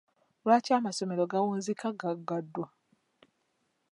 Lwaki amasomero gawunzika gaggaddwa?